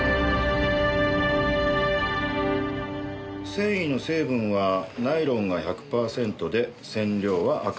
繊維の成分はナイロンが１００パーセントで染料は赤。